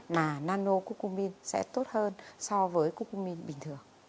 mà nano cucumin sẽ tốt hơn so với cucumin bình thường